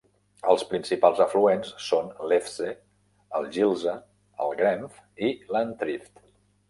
Els principals afluents són l'Efze, el Gilsa, el Grenff i l'Antrift.